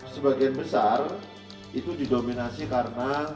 sebagian besar itu didominasi karena